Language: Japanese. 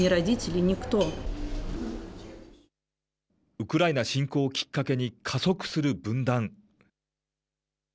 ウクライナ侵攻をきっかけに加速する分断。